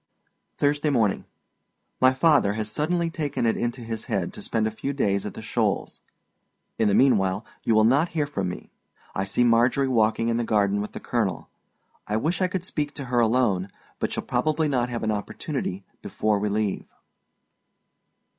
Thursday Morning. My father has suddenly taken it into his head to spend a few days at the Shoals. In the meanwhile you will not hear from me. I see Marjorie walking in the garden with the colonel. I wish I could speak to her alone, but shall probably not have an opportunity before we leave.